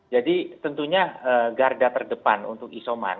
jadi tentunya garda terdepan untuk isoman